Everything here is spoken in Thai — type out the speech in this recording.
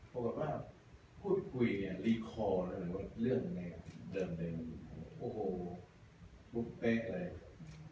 ผมอยากบอกว่าพูดไปคุยแบบนี้เลี่ยงเรื่องสำหรับภูมิเรียนหนึ่ง